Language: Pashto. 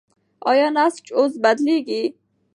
ایا نسج اوس بدلېږي؟